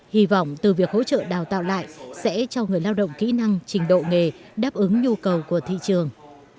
hy vọng từ việc hỗ trợ đào tạo lại sẽ cho người lao động kỹ năng trình độ nghề đáp ứng nhu cầu của thị trường